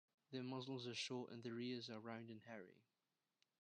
Their muzzles are short and their ears are round and hairy.